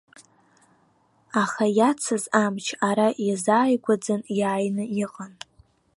Аха иацыз амч ара изааигәаӡан иааины иҟан.